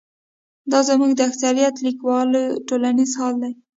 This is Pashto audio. دا زموږ د اکثریت لیکوالو ټولیز حال دی.